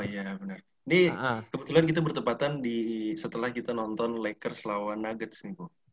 jadi kebetulan kita bertepatan setelah kita nonton lakers lawan nuggets nih bu